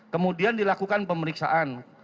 kemudian dilakukan pemeriksaan